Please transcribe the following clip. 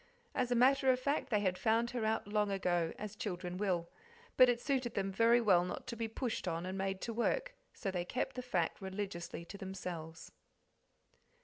As a matter of fact, they had found her out long ago, as children will, but it suited them very well not to be pushed on and made to work, so they kept the fact religiously to themselves.